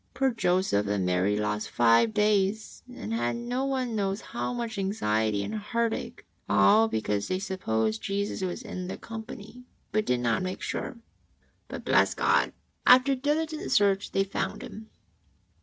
Poor Joseph and Mary lost five days and had no one knows how much anxiety and heartache, all because they supposed Jesus was in the company, but did not make sure. But, bless God, after diligent search they found Him